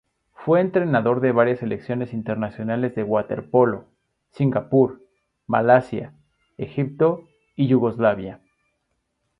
Fue entrenador de varias selecciones internacionales de waterpolo: Singapur, Malasia, Egipto y Yugoslavia.